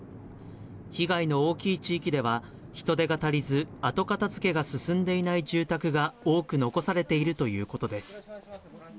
被害の大きい地域では、人手が足りず、後片づけが進んでいない住宅が多く残されているということです。